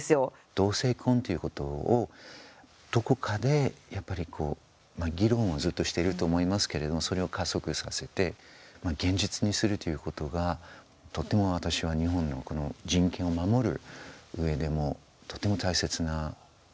同性婚っていうことをどこかでやっぱり議論をずっとしていると思いますけれどそれを加速させて現実にするということが、とても私は日本の人権を守るうえでもとても大切なことだと思いますね。